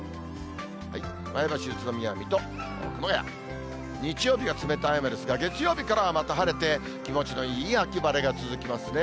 前橋、宇都宮、水戸、熊谷、日曜日が冷たい雨ですが、月曜日からはまた晴れて、気持ちのいい秋晴れが続きますね。